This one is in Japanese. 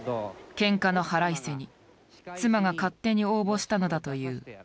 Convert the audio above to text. けんかの腹いせに妻が勝手に応募したのだという。